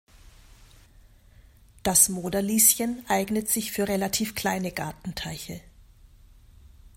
Das Moderlieschen eignet sich für relativ kleine Gartenteiche.